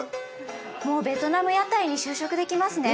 もうベトナム屋台に就職できますね。